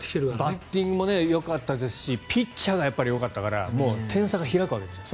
バッティングもよかったですしピッチャーがやっぱりよかったから点差が開くわけですよね。